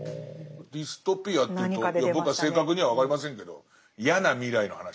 ディストピアというと僕は正確には分かりませんけど嫌な未来の話。